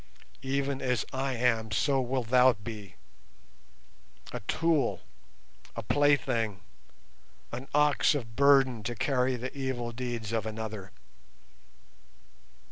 Even as I am so wilt thou be—a tool, a plaything, an ox of burden to carry the evil deeds of another.